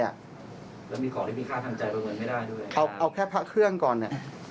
แล้วมีของที่มีค่าทำใจประเมินไม่ได้ด้วยเอาเอาแค่พระเครื่องก่อนเนี่ย